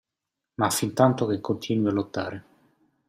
Ma fin tanto che continui a lottare.